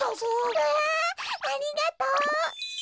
うわありがとう！